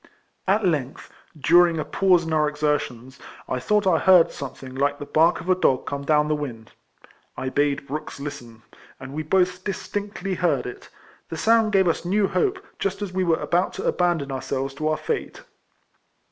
At length, during a pause in our exertions, I thought I heard something like the bark of a dog come down the wind. I bade Brooks listen, and we both distinctly heard it — the sound gave us new hope, just as we were about to abandon ourselves to our fate.